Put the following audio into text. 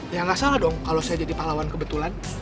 ya nggak salah dong kalau saya jadi pahlawan kebetulan